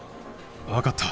分かった。